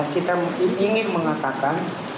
kita ingin mengatakan